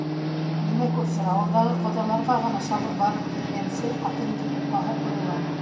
Нимә, күрше ауылдағы ҡоҙаларға ғына сабып барып килгәнсе атыңдың уҡаһы ҡойоламы?